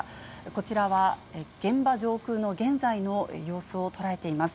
こちらは現場上空の現在の様子を捉えています。